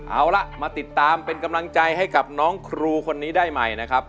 เอาละมาติดตามเป็นกำลังใจให้กับน้องครูคนนี้ได้ใหม่นะครับ